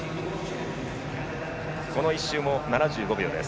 この１周も７５秒です。